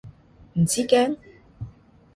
唔知驚？